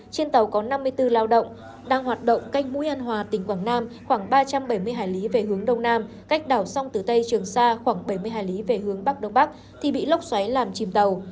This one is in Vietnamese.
trên tàu có năm mươi bốn lao động đang hoạt động canh mũi an hòa tỉnh quảng nam khoảng ba trăm bảy mươi hải lý về hướng đông nam cách đảo song tử tây trường sa khoảng bảy mươi hải lý về hướng bắc đông bắc thì bị lốc xoáy làm chìm tàu